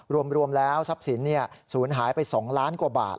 รวมแล้วทรัพย์สินศูนย์หายไป๒ล้านกว่าบาท